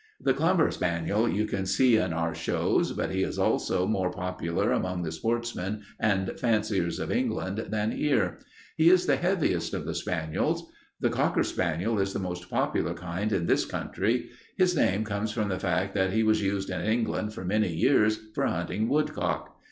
"The clumber spaniel you can see in our shows, but he also is more popular among the sportsmen and fanciers of England than here. He is the heaviest of the spaniels. The cocker spaniel is the most popular kind in this country. His name comes from the fact that he was used in England for many years for hunting woodcock.